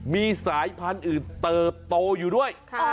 มีสายพันธุ์อื่นเติบโตอยู่ด้วย